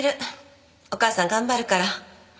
お母さん頑張るから。